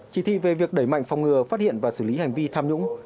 chỉ thị về việc đẩy mạnh phòng ngừa phát hiện và xử lý hành vi tham nhũng